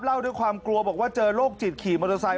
ด้วยความกลัวบอกว่าเจอโรคจิตขี่มอเตอร์ไซค